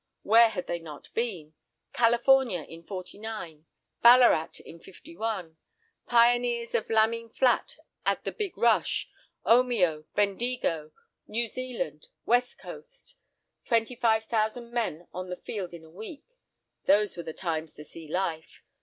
Where had they not been? California in '49, Ballarat in '51, pioneers of Lambing Flat, at the big rush, Omeo, Bendigo, New Zealand, West Coast, 25,000 men on the field in a week; those were the times to see life!